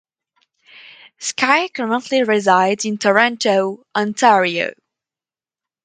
Sky currently resides in Toronto, Ontario.